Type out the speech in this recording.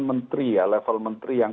menteri ya level menteri yang